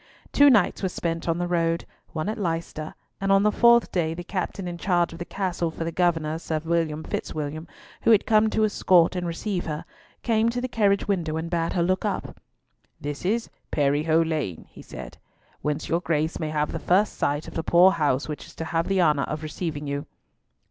Two nights were spent on the road, one at Leicester; and on the fourth day, the captain in charge of the castle for the governor Sir William Fitzwilliam, who had come to escort and receive her, came to the carriage window and bade her look up. "This is Periho Lane," he said, "whence your Grace may have the first sight of the poor house which is to have the honour of receiving you."